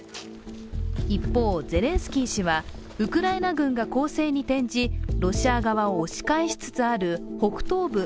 一方、ゼレンスキー氏はウクライナ軍が攻勢に転じ、ロシア側を押し返しつつある北東部